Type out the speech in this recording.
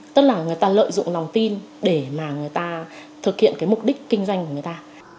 tức là người ta lợi dụng lòng tin để mà người ta thực hiện cái mục đích kinh doanh của người ta